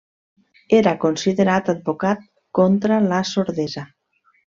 Era considerat advocat contra la sordesa.